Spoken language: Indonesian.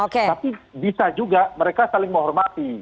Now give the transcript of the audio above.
tapi bisa juga mereka saling menghormati